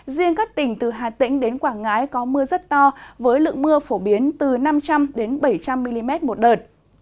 riêng các tỉnh từ hà tĩnh đến quảng ngãi có mưa rất to với lượng mưa phổ biến từ năm trăm linh bảy trăm linh mm một đợt